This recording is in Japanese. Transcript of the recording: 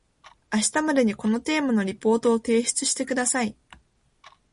明日までにこのテーマのリポートを提出してください